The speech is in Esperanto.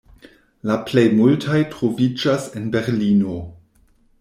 La plej multaj troviĝas en Berlino.